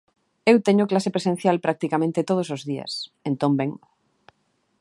Eu teño clase presencial practicamente todos os días, entón ben.